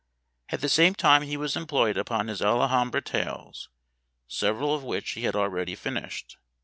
"* At the same time he was employed upon his Alhambra tales, several of which he had already finished.